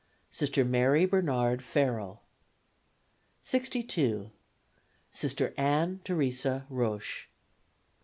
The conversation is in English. Sister Mary Bernard Farrell. 62. Sister Ann Teresa Roche.